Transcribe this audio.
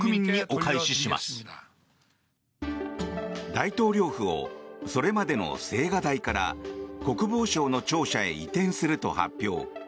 大統領府をそれまでの青瓦台から国防省の庁舎へ移転すると発表。